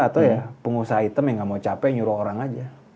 atau ya pengusaha hitam yang gak mau capek nyuruh orang aja